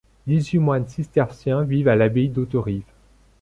Dix-huit moines cisterciens vivent à l'abbaye d'Hauterive.